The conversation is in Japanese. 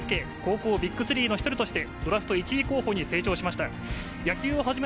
それでも着実に力をつけ、高校ＢＩＧ３の１人としてドラフト１位候補に成長しました。